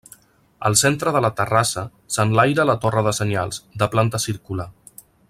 Al centre de la terrassa s'enlaira la torre de senyals, de planta circular.